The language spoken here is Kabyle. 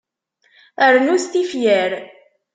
Rrnut tifyar.